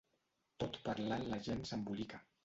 Tot parlant la gent s'embolica.